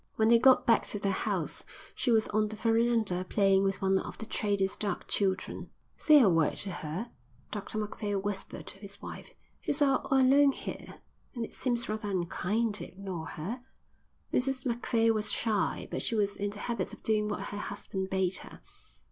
When they got back to their house, she was on the verandah playing with one of the trader's dark children. "Say a word to her," Dr Macphail whispered to his wife. "She's all alone here, and it seems rather unkind to ignore her." Mrs Macphail was shy, but she was in the habit of doing what her husband bade her.